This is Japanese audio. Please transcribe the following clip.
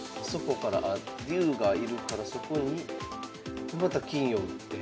竜がいるからそこにまた金を打って。